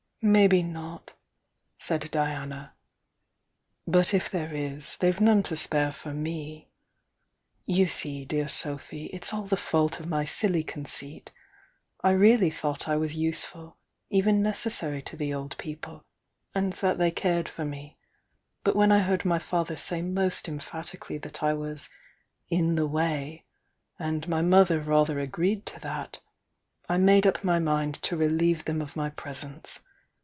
"Maybe not," said Diana. "But if there is, they've none to spare for me. • You see, dear Sophy, It s all the fault of my silly conceit,— I really thou^t I was useful, even necessary to the old people, and that they cared for me, but when I heard my father say most emphatically that I was 'in the way,' and my mother rather agreed to that, I made up my mmd to relieve them of my presence.